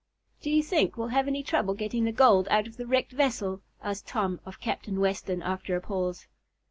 "Do you think we'll have any trouble getting the gold out of the wrecked vessel?" asked Tom of Captain Weston, after a pause.